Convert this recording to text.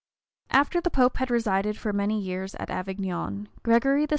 After the pope had resided many years at Avignon, Gregory XI.